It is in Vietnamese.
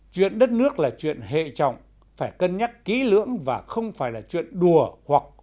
chuyện đất nước là chuyện hệ trọng phải cân nhắc kỹ lưỡng và không phải là chuyện đùa hoặc vô tổ chức